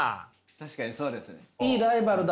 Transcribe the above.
確かにそうです。